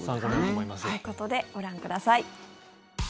ということでご覧ください。